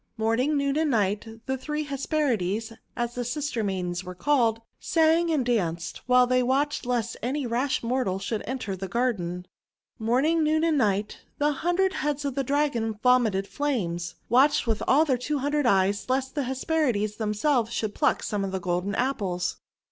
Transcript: Morning, noon, and night the three Hesperides, as the sister maidens were called, sang and danced, while they watched lest any rash mortal should enter the garden. Morning, noon, and night the hundred heads of the Dragon vomiting flames, watched with all their two hundred eyes lest the Hesperides them selves should pluck some of the Golden Apples.